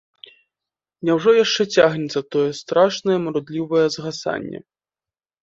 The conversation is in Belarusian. Няўжо яшчэ цягнецца тое страшнае марудлівае згасанне?